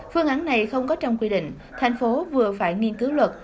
phương án này không có trong quy định thành phố vừa phải nghiên cứu luật